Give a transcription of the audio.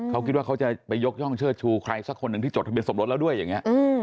เขาคิดว่าเขาจะไปยกย่องเชิดชูใครสักคนหนึ่งที่จดทะเบียสมรสแล้วด้วยอย่างนี้